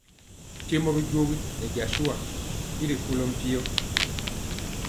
Mpiemɔ bijogi nɛ jasua y rikolɔ mpio.